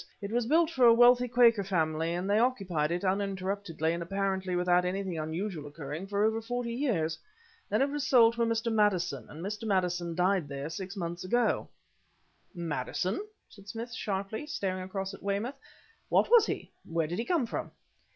It was built for a wealthy Quaker family, and they occupied it, uninterruptedly and apparently without anything unusual occurring, for over forty years. Then it was sold to a Mr. Maddison and Mr. Maddison died there six months ago." "Maddison?" said Smith sharply, staring across at Weymouth. "What was he? Where did he come from?"